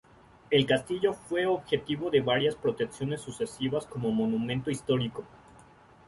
El castillo fue objeto de varias protecciones sucesivas como monumento histórico.